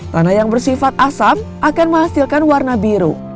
tanah yang bersifat asam akan menghasilkan warna biru